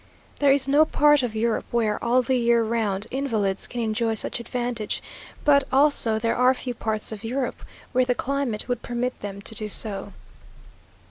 There is no part of Europe where, all the year round, invalids can enjoy such advantages; but, also, there are few parts of Europe where the climate would permit them to do so.